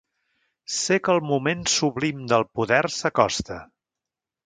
Sé que el moment sublim del poder s'acosta.